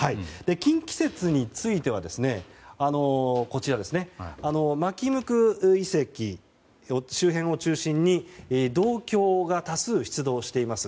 近畿説については纏向遺跡周辺を中心に銅鏡が多数出土しています。